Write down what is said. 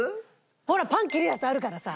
ほらパン切るやつあるからさ！